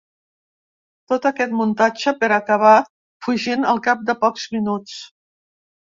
Tot aquest muntatge per acabar fugint al cap de pocs minuts.